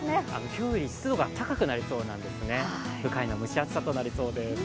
今日より湿度が高くなりそうなんですね、不快な蒸し暑さとなりそうです。